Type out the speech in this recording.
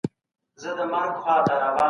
علم د پرله پسې هڅو په واسطه ترلاسه کیږي.